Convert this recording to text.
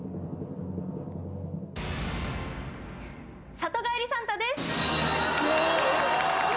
里帰りサンタです！